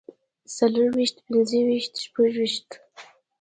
څلورويشت پنځويشت شپږويشت